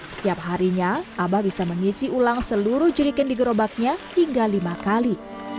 setiap harinya abah bisa mengisi ulang seluruh jeriken di gerobaknya hingga lima kali